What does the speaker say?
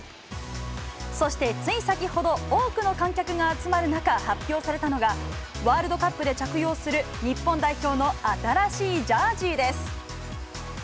そして、つい先ほど、多くの観客が集まる中、発表されたのが、ワールドカップで着用する日本代表の新しいジャージです。